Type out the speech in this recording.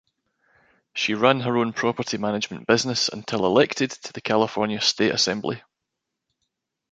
She ran her own property management business until elected to the California State Assembly.